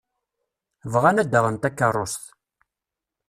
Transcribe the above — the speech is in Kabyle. Bɣan ad d-aɣen takeṛṛust.